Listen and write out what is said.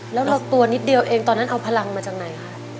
แล้วเราตัวนิดเดียวเองตอนนั้นเอาพลังมาจากไหนคะ